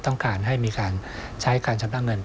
ต้องการให้มีการใช้การชำระเงิน